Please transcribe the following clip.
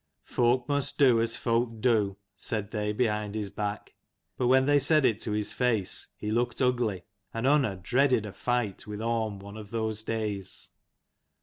" Folk must do as folk do," said they behind his back: but when they said it to his face he looked ugly, and Unna dreaded a fight with Orm one of those days.